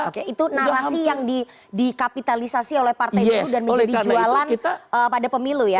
oke itu narasi yang dikapitalisasi oleh partai itu dan menjadi jualan pada pemilu ya